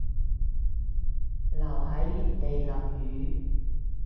留喺原地淋雨